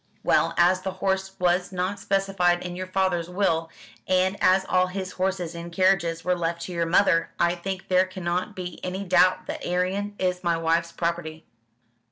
"Well, as the horse was not specified in your father's will, and as all his horses and carriages were left to your mother, I think there cannot be any doubt that Arion is my wife's property."